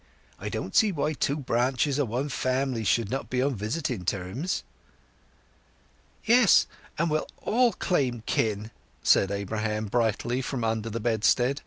I don't see why two branches o' one family should not be on visiting terms." "Yes; and we'll all claim kin!" said Abraham brightly from under the bedstead.